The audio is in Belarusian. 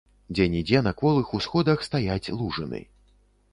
Дзе-нідзе на кволых усходах стаяць лужыны.